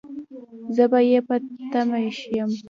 زه به يې په تمه يم